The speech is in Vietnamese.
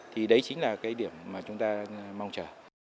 thì đấy chính là cái điểm mà chúng ta mong chờ